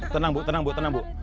tenang bu tenang bu tenang bu